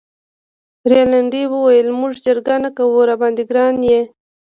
رینالډي وویل: موږ جګړه نه کوو، راباندي ګران يې.